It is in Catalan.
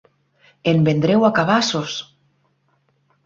En vendreu a cabassos!